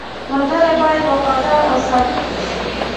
• ملګری باید وفادار او صادق وي.